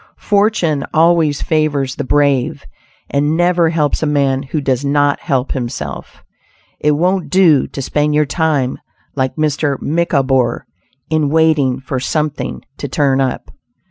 Fortune always favors the brave, and never helps a man who does not help himself. It won't do to spend your time like Mr. Micawber, in waiting for something to "turn up."